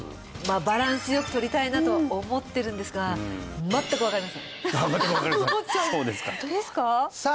バランスよく取りたいなと思ってるんですが私も分かりませんそうですかさあ